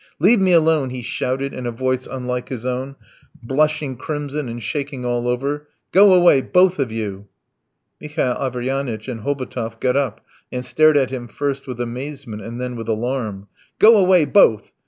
"Leave me alone," he shouted in a voice unlike his own, blushing crimson and shaking all over. "Go away, both of you!" Mihail Averyanitch and Hobotov got up and stared at him first with amazement and then with alarm. "Go away, both!"